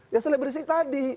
ya selebrisnya tadi